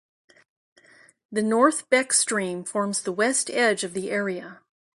The North Beck stream forms the west edge of the area.